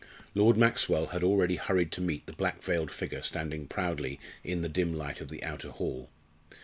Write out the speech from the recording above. Lord Maxwell had already hurried to meet the black veiled figure standing proudly in the dim light of the outer hall.